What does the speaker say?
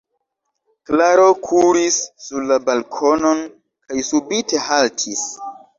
Klaro kuris sur la balkonon kaj subite haltis.